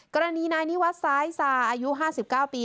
กรณีนายนีวัฎซ้ายซา่ายูห้าสิบเก่าปี